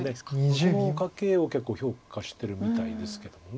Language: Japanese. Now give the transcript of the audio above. このカケを結構評価してるみたいですけども。